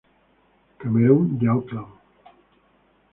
Cameron de Auckland.